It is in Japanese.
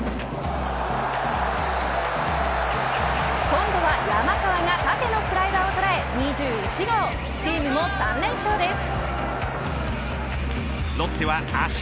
今度は山川が縦のスライダーを捉え、２１号チームも３連勝です。